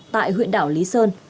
tại huyện đảo lý sơn